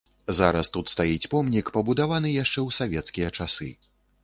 Зараз тут стаіць помнік, пабудаваны яшчэ ў савецкія часы.